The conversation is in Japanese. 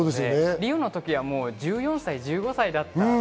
リオの時は１４歳、１５歳。